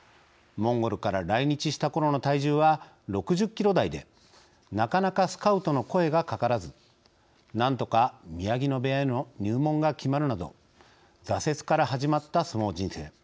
モンゴルから来日した頃の体重は６０キロ台でなかなかスカウトの声がかからずなんとか宮城野部屋への入門が決まるなど挫折から始まった相撲人生。